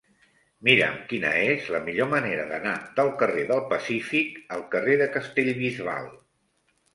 Mira'm quina és la millor manera d'anar del carrer del Pacífic al carrer de Castellbisbal.